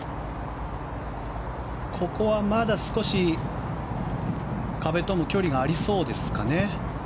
ここはまだ少し壁とも距離がありそうですかね。